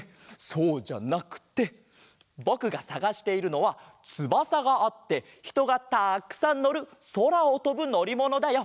そうじゃなくてぼくがさがしているのはつばさがあってひとがたくさんのるそらをとぶのりものだよ。